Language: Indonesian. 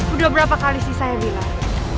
udah berapa kali sih saya bilang